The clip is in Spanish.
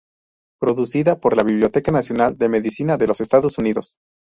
Producida por la Biblioteca Nacional de Medicina de los Estados Unidos.